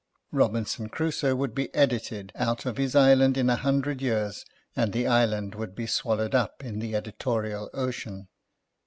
Robinson Crusoe would be "edited" out of his island in a hundred years, and the island would be swallowed up in the editorial ocean.